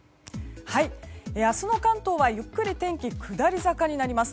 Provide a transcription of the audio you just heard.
明日の関東はゆっくり天気下り坂になります。